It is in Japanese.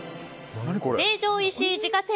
成城石井自家製